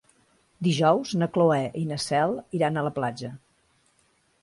Dijous na Cloè i na Cel iran a la platja.